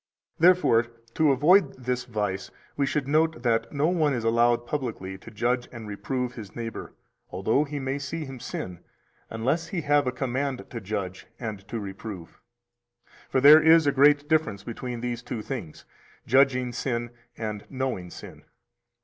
Therefore, to avoid this vice we should note that 265 no one is allowed publicly to judge and reprove his neighbor, although he may see him sin, unless he have a command to judge and to reprove. 266 For there is a great difference between these two things, judging sin and knowing sin.